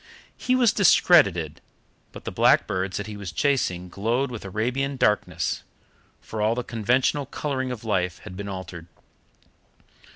He was discredited, but the blackbirds that he was chasing glowed with Arabian darkness, for all the conventional colouring of life had been altered.